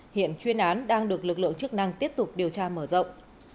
hiện chuyên án đang được lực lượng chức năng tiếp tục điều tra mở rộng